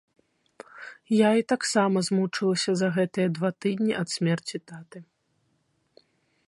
Я і так сама змучылася за гэтыя два тыдні ад смерці таты.